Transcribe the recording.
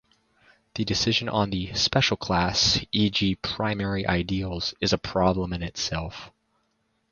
The decision on the "special class", e.g., primary ideals, is a problem in itself.